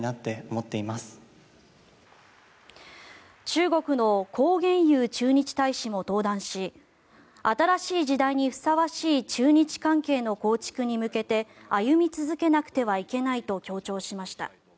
中国のコウ・ゲンユウ駐日大使も登壇し新しい時代にふさわしい中日関係の構築に向けて歩み続けなくてはいけないと強調しました。